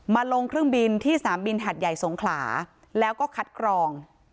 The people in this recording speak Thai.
ลงเครื่องบินที่สนามบินหัดใหญ่สงขลาแล้วก็คัดกรอง